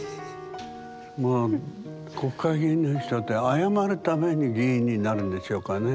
もう国会議員の人って謝るために議員になるんでしょうかね。